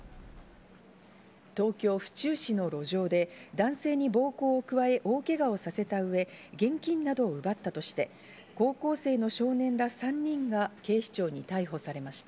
東京・府中市の路上で男性に暴行を加え、大けがをさせたうえ、現金などを奪ったとして、高校生の少年ら３人が警視庁に逮捕されました。